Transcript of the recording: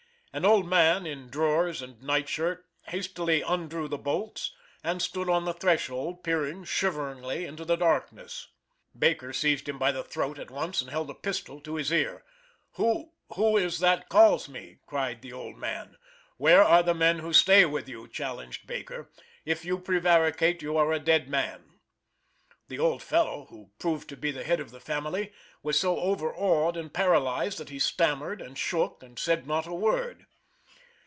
An old man, in drawers and night shirt, hastily undrew the bolts, and stood on the threshold, peering shiveringly into the darkness. Baker seized him by the throat at once, and held a pistol to his ear. "Who who is it that calls me?" cried the old man. "Where are the men who stay with you?" challenged Baker. "If you prevaricate you are a dead man!" The old fellow, who proved to be the head of the family, was so overawed and paralysed that he stammered, and shook, and said not a word.